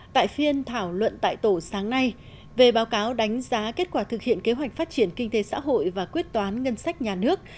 tại phiên thảo luận tại tổ sáng nay về báo cáo đánh giá kết quả thực hiện kế hoạch phát triển kinh tế xã hội và quyết toán ngân sách nhà nước